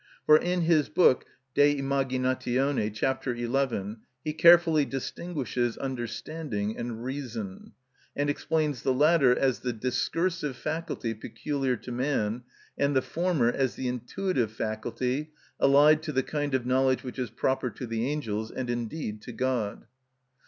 For in his book, "De Imaginatione," ch. 11, he carefully distinguishes understanding and reason, and explains the latter as the discursive faculty peculiar to man, and the former as the intuitive faculty, allied to the kind of knowledge which is proper to the angels, and indeed to God.